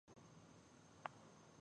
علم د اقتصادي خپلواکی وسیله ده.